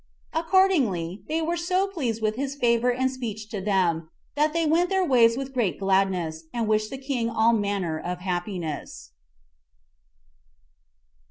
Accordingly, they were so pleased with his favor and speech to them, that they went their ways with great gladness, and wished the king all manner of happiness.